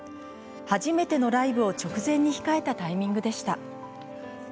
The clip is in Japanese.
初めてのライブを直前に控えたタイミングでした。